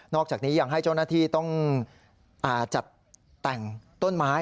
อกจากนี้ยังให้เจ้าหน้าที่ต้องจัดแต่งต้นไม้